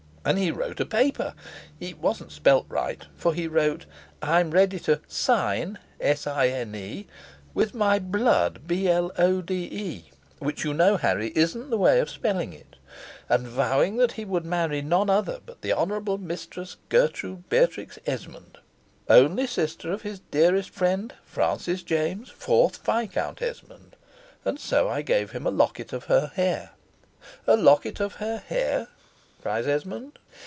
And he wrote a paper (it wasn't spelt right, for he wrote 'I'm ready to SINE WITH MY BLODE,' which, you know, Harry, isn't the way of spelling it), and vowing that he would marry none other but the Honorable Mistress Gertrude Beatrix Esmond, only sister of his dearest friend Francis James, fourth Viscount Esmond. And so I gave him a locket of her hair." "A locket of her hair?" cries Esmond.